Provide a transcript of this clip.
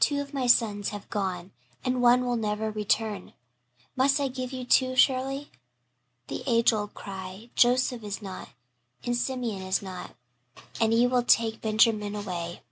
"Two of my sons have gone and one will never return. Must I give you too, Shirley?" The age old cry "Joseph is not and Simeon is not; and ye will take Benjamin away."